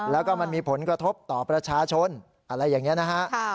แล้วก็มันมีผลกระทบต่อประชาชนอะไรอย่างนี้นะฮะ